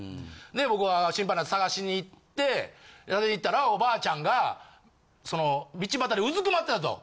で僕は心配なって捜しに行って行ったらおばあちゃんがその道端でうずくまってたと。